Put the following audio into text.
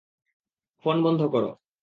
Phone বন্ধ কর।